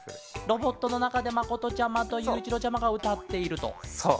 ロボットのなかでまことちゃまとゆういちろうちゃまがうたっていると。